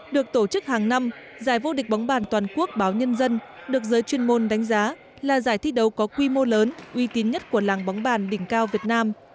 được tổ chức hàng năm giải vô địch bóng bàn toàn quốc báo nhân dân được giới chuyên môn đánh giá là giải thi đấu có quy mô lớn uy tín nhất của làng bóng bàn đỉnh cao việt nam